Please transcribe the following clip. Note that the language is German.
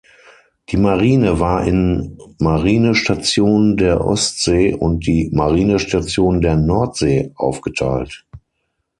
Die Marine war in Marinestation der Ostsee und die Marinestation der Nordsee aufgeteilt.